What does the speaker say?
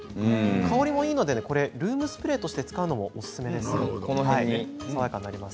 香りもいいのでルームスプレーとして使うのもこの辺に。